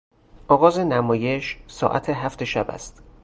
آغاز نمایش ساعت هفت شب است.